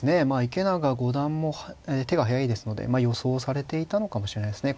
池永五段も手が速いですので予想されていたのかもしれないですね